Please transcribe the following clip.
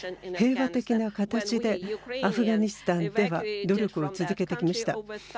平和的な形でアフガニスタンでは努力を続けてきました。